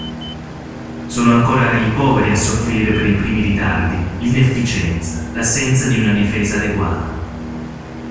Sono ancora i poveri a soffrire per primi i ritardi, l'inefficienza, l'assenza di una difesa adeguata.